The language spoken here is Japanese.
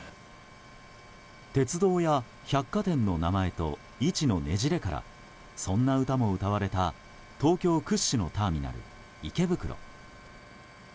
鉄道や百貨店の名前と位置のねじれからそんな歌も歌われた東京屈指のターミナル、池袋。